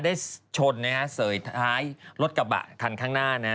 ได้ชนนะฮะเสยท้ายรถกระบะคันข้างหน้านะ